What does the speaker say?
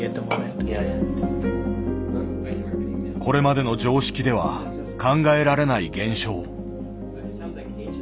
これまでの常識では考えられない現象。